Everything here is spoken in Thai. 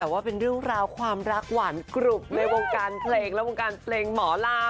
แต่ว่าเป็นเรื่องราวความรักหวานกรุบในวงการเพลงและวงการเพลงหมอลำ